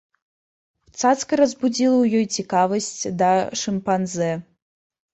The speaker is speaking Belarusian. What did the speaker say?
Цацка разбудзіла ў ёй цікавасць да шымпанзэ.